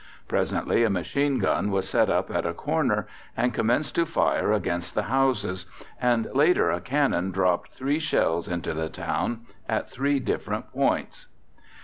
Presently a machine gun was set up at a corner and commenced to fire against the houses, and later a cannon dropped three shells into the town at three different points.